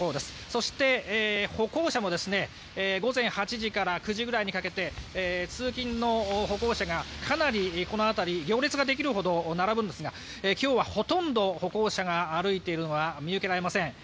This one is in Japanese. そして歩行者も午前８時から９時くらいにかけて通勤の歩行者がかなりこの辺り行列ができるほど並ぶんですが今日はほとんど歩行者が歩いているのは見受けられません。